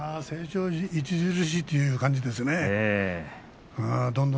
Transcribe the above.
成長著しいという感じですね。